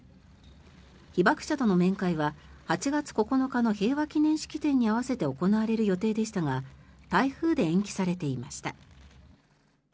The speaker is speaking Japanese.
被爆者との面会は８月９日の平和祈念式典に合わせて行われる予定でしたが台風で延期されていました。